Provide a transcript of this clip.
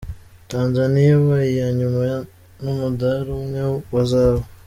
Tanzania iba iya nyuma n’umudari umwe wa zahabu.